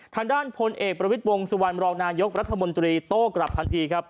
ทางด้านพลเอกประวิทย์วงสุวรรณรองนายกรัฐมนตรีโต้กลับทันทีครับ